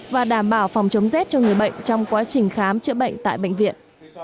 và đảm bảo phòng chống rét cho người bệnh trong quá trình khám chữa bệnh tại bệnh viện